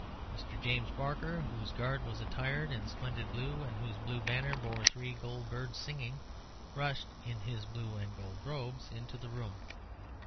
Mr. James Barker, whose guard was attired in a splendid blue, and whose blue banner bore three gold birds singing, rushed, in his blue and gold robes, into the room.